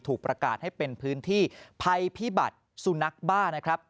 ถูกประกาศให้เป็นพื้นที่ภัยพิบัติสุนัขบ้านะครับ